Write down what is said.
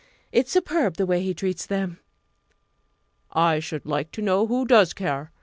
It's superb the way he treats them!" "I should like to know who does care!"